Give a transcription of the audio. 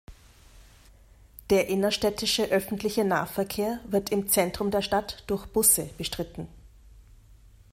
Der innerstädtische öffentliche Nahverkehr wird im Zentrum der Stadt durch Busse bestritten.